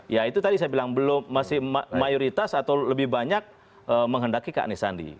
ya itu tadi saya bilang belum masih mayoritas atau lebih banyak menghendaki kak anies sandi